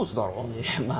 いやまあ